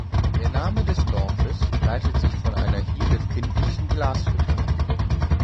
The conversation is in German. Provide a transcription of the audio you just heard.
Der Name des Dorfes leitet sich von einer hier befindlichen Glashütte ab.